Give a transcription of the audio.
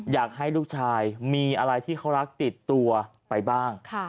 อยากให้ลูกชายมีอะไรที่เขารักติดตัวไปบ้าง